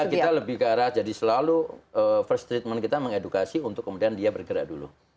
kita lebih ke arah jadi selalu first treatment kita mengedukasi untuk kemudian dia bergerak dulu